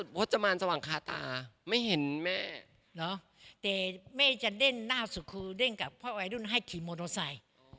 เพราะวัยรุ่นให้ขี่โมโตไซด์